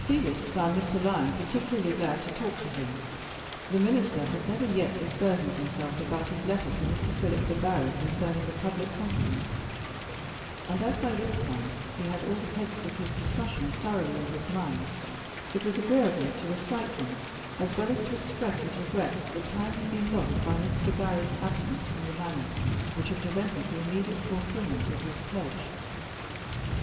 Felix found Mr. Lyon particularly glad to talk to him. The minister had never yet disburdened himself about his letter to Mr. Philip Debarry concerning the public conference; and as by this time he had all the heads of his discussion thoroughly in his mind, it was agreeable to recite them, as well as to express his regret that time had been lost by Mr. Debarry's absence from the Manor, which had prevented the immediate fulfillment of his pledge.